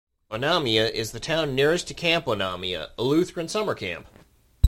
Onamia is the town nearest to Camp Onomia, a Lutheran summer camp.